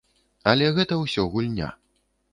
Але гэта ўсё гульня.